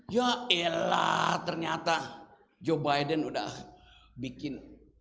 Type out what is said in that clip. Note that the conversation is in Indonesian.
yaelah ternyata joe biden udah bikin